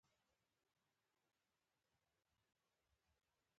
د ښځې تعليم له سړي څخه زيات اړين دی